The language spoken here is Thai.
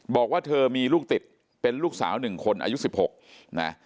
บอกว่าเธอมีลูกติดเป็นลูกสาว๑คนอายุ๑๖นะ